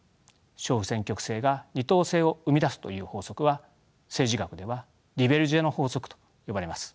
小選挙区制が二党制を生み出すという法則は政治学ではデュベルジェの法則と呼ばれます。